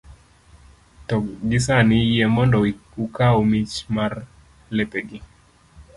to gi sani, yie mondo ukaw mich mar lepegi